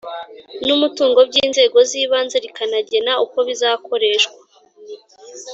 n umutungo by inzego z ibanze rikanagena uko bizakoreshwa